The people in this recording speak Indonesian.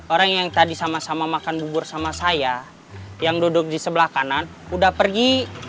orang yang tadi sama sama makan bubur sama saya yang duduk di sebelah kanan udah pergi